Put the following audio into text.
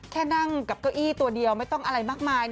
แค่นั่งกับเก้าอี้ตัวเดียวไม่ต้องอะไรมากมาย